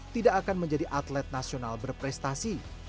tidak akan menjadi atlet nasional berprestasi